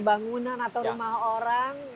bangunan atau rumah orang